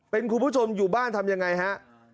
เป็นคุณผู้ชมอยู่บ้านทำยังไงฮะ